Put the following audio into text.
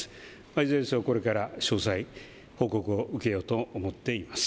いずれにせよ、これから詳細、報告を受けようと思っています。